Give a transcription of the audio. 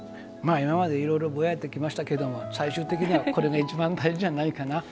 今までいろいろぼやいてきましたけど最終的にはこれが一番大事じゃないかな。